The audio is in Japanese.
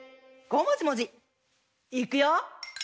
「ごもじもじ」いくよ！